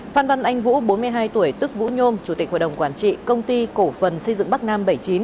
phan văn anh vũ bốn mươi hai tuổi tức vũ nhôm chủ tịch hội đồng quản trị công ty cổ phần xây dựng bắc nam bảy mươi chín